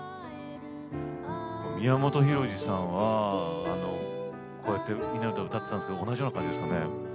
宮本浩次さんはこうやって「みんなのうた」歌ってたんですけど同じような感じですかね。